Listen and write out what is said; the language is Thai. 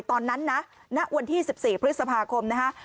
ตอนนั้นนะณวันที่๑๔พฤษภาคมนะฮะ